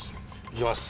行きます！